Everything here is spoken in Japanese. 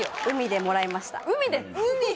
海でもらいました海で！？